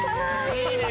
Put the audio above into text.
いいね。